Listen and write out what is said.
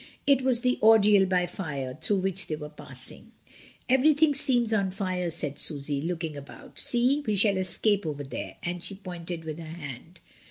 It was the ordeal by fire through which they were passing. "Everything seems on fire," said Susy, looking about. "See, we shall escape over there," and she pointed with her hand.